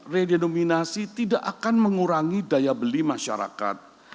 redenominasi tidak akan mengurangi daya beli masyarakat